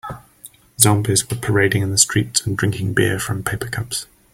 Zombies were parading in the streets and drinking beer from paper cups.